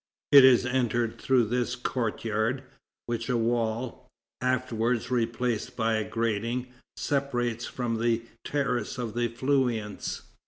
It is entered through this courtyard, which a wall, afterwards replaced by a grating, separates from the terrace of the Feuillants.